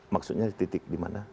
maksudnya titik di mana